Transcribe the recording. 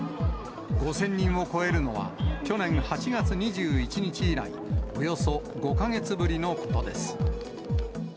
５０００人を超えるのは去年８月２１日以来、およそ５か月ぶりのことです。